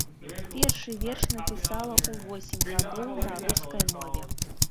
Першы верш напісала ў восем гадоў на рускай мове.